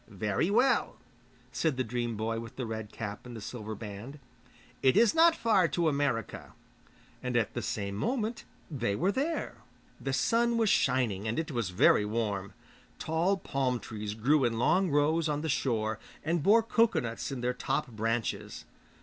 'Very well,' said the dream boy with the red cap and the silver band; 'it is not far to America' and at the same moment they were there. The sun was shining and it was very warm. Tall palm trees grew in long rows on the shore and bore coconuts in their top branches.